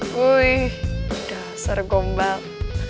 wuih udah sergombang